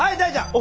お！